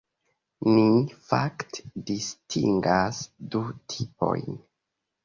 Ni fakte distingas du tipojn.